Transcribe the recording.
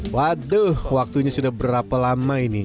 waduh waktunya sudah berapa lama ini